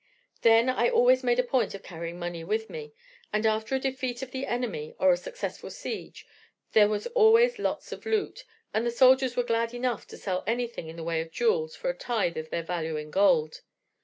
"Then I always made a point of carrying money with me, and after a defeat of the enemy or a successful siege, there was always lots of loot, and the soldiers were glad enough to sell anything in the way of jewels for a tithe of their value in gold.